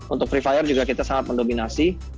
untuk pre fire juga kita sangat mendominasi